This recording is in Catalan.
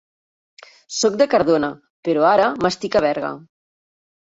Soc de Cardona, però ara m'estic a Berga.